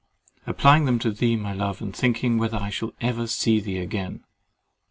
— applying them to thee, my love, and thinking whether I shall ever see thee again.